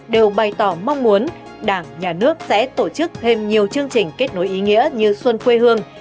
đều bày tỏ mong muốn đảng nhà nước sẽ tổ chức thêm nhiều chương trình kết nối ý nghĩa như xuân quê hương